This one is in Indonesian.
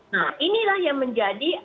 nah inilah yang menjadi